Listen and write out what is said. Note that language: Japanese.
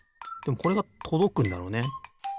でもこれがとどくんだろうね。